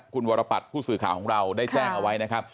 คุณวรปัตย์ผู้สื่อข่าวของเราได้แจ้งเอาไว้นะครับ